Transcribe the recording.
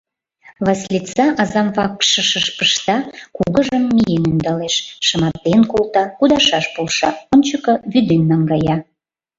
— Васлица азам вакшышыш пышта, кугыжым миен ӧндалеш, шыматен колта, кудашаш полша, ончыко вӱден наҥгая.